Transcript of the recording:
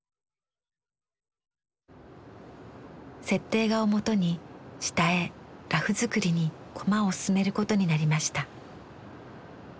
設定画をもとに下絵ラフ作りにコマを進めることになりました。